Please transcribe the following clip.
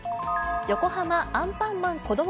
横浜アンパンマンこども